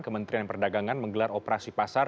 kementerian perdagangan menggelar operasi pasar